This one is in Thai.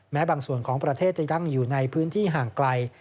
บางส่วนของประเทศจะนั่งอยู่ในพื้นที่ห่างไกล